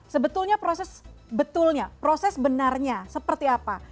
sebetulnya proses betulnya proses benarnya seperti apa